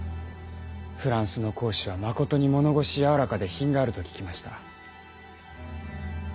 フランスの公使はまことに物腰柔らかで品があると聞きました。